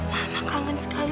mama kangen sekali